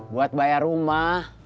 buat bayar rumah